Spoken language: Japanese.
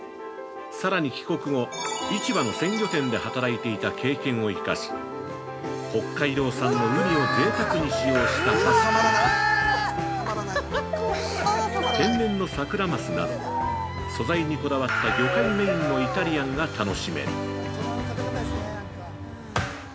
さらに帰国後、市場の鮮魚店で働いていた経験を生かし、北海道産のウニをぜいたくに使用したパスタや天然の桜マスなど素材にこだわった魚介メインのイタリアンが楽しめる。